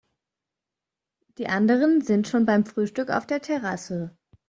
Die anderen sind schon beim Frühstück auf der Terrasse.